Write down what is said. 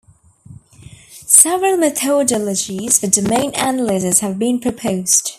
Several methodologies for domain analysis have been proposed.